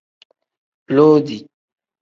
Loodi.